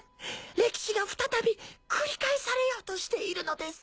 歴史が再び繰り返されようとしているのです。